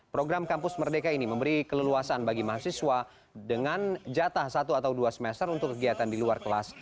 program kampus merdeka ini memberi keleluasan bagi mahasiswa dengan jatah satu atau dua semester untuk kegiatan di luar kelas